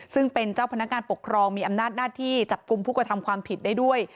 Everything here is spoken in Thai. ซึ่งเป็นเจ้าพนักงานปกครองมีอำนาจหน้าที่จับกลุ่มผู้กระทำความผิดได้ด้วย